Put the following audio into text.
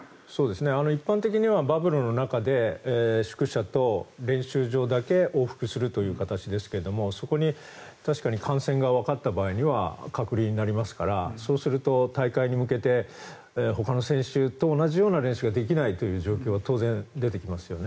一般的にはバブルの中で宿舎と練習場だけ往復するという形ですけどそこに確かに感染がわかった場合には隔離になりますからそうすると、大会に向けてほかの選手と同じような練習ができないという状況は当然出てきますよね。